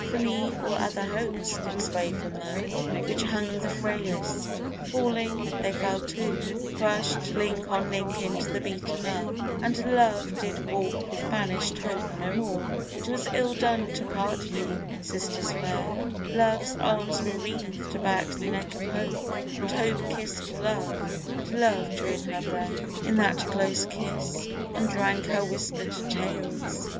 For me all other Hopes did sway from that Which hung the frailest: falling, they fell too, Crush'd link on link into the beaten earth, And Love did walk with banish'd Hope no more, It was ill done to part ye, Sisters fair; Love's arms were wreathed about the neck of Hope, And Hope kiss'd Love, and Love drew in her breath In that close kiss, and drank her whisper'd tales.